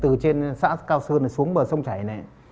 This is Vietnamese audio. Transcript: từ trên xã cao sơn này xuống bờ sông chảy này